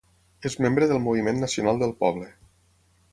És membre del Moviment Nacional del Poble.